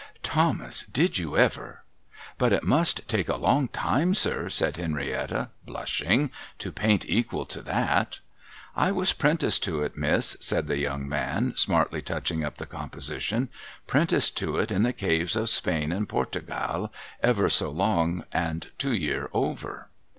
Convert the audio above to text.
' (Thomas, did you ever ?) But it must take a long time, sir,' said Henrietta, blushing, ' to paint equal to that.' ' I was prenticed to it, miss,' said the young man, smartly touching up the composition — 'prenticed to it in the caves of Spain and Tortingale, ever so long and two year over.'